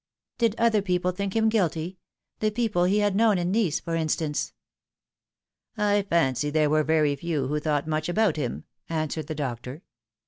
"Did other people think him guilty the people he had known in Nice, for instance ?"" I fancy there were very few who thought much about him," answered the doctor.